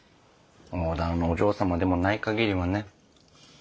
大店のお嬢様でもない限りはね。